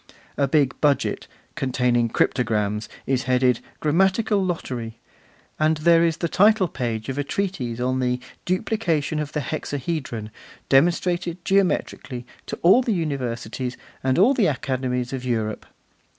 A big budget, containing cryptograms, is headed 'Grammatical Lottery'; and there is the title page of a treatise on The Duplication of the Hexahedron, demonstrated geometrically to all the Universities and all the Academies of Europe.